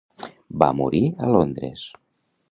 Va morir a Londres.